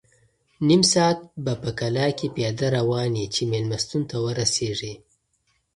نیم ساعت به په کلا کې پیاده روان یې چې مېلمستون ته ورسېږې.